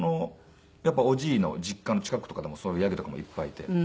やっぱりおじいの実家の近くとかでもそういうヤギとかもいっぱいいて。